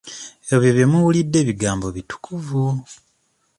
Ebyo bye muwulidde bigambo bitukuvu.